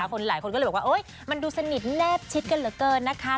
หลายคนก็เลยบอกว่ามันดูสนิทแนบชิดกันเหลือเกินนะคะ